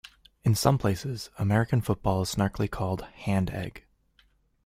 In some places, American football is snarkily called hand-egg.